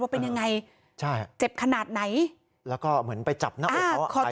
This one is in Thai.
เป็นยังไงใช่เจ็บขนาดไหนแล้วก็เหมือนไปจับหน้าอกเขา